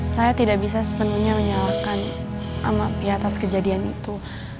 saya tidak bisa sepenuhnya menyalahkan di atas kejadian itu